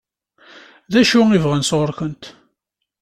D acu i bɣan sɣur-kent?